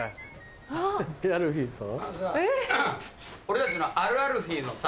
俺たちの。